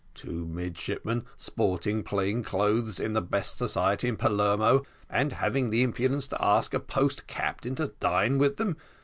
Two midshipmen sporting plain clothes in the best society in Palermo, and having the impudence to ask a post captain to dine with them!